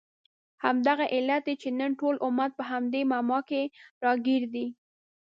همدغه علت دی چې نن ټول امت په همدې معما کې راګیر دی.